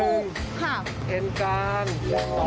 ถึงจะถูกต้องตามพระธรรมวินัย